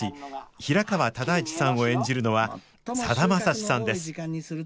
平川唯一さんを演じるのはさだまさしさんです。